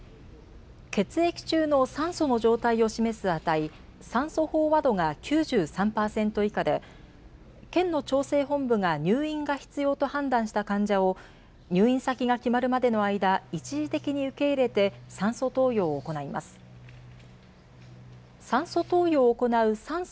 血液中の酸素の状態を示す値、酸素飽和度が９３％以下で県の調整本部が入院が必要と判断した患者を入院先が決まるまでの間、一時的に受け入れて酸素投与を行います。